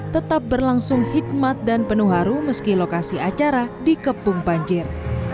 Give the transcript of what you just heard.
tetap berlangsung hikmat dan penuh haru meski lokasi acara dikepung banjir